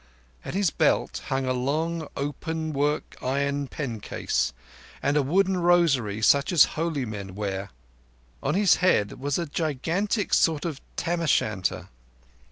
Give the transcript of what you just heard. At his belt hung a long open work iron pencase and a wooden rosary such as holy men wear. On his head was a gigantic sort of tam o' shanter.